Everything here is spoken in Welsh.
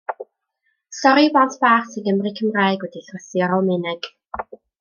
Stori i blant bach sy'n Gymry Cymraeg, wedi'i throsi o'r Almaeneg.